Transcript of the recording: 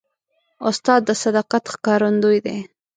استاد د صداقت ښکارندوی دی.